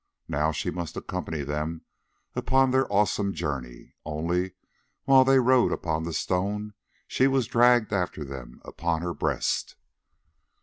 Now she must accompany them upon their awesome journey; only, while they rode upon the stone, she was dragged after them upon her breast.